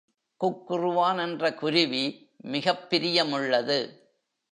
குக்குறுவான் என்ற குருவி மிகப் பிரியமுள்ளது.